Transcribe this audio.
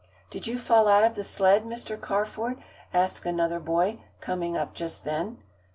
"Did you fall out of the sled, Mr. Carford?" asked another boy, coming up just then.